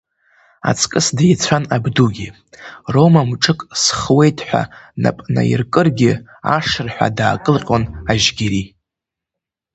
Аҵкыс деицәан абдугьы, Рома мҿык сххуеит ҳәа нап наиркыргьы, ашырҳәа даакылҟьон Ажьгьери.